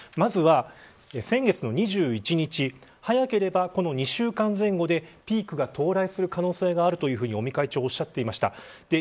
まずは、先月の２１日早ければ２週間前後でピークが到来する可能性があると尾身会長はおっしゃっていました。